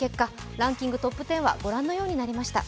ランキングトップ１０はご覧のようになりました。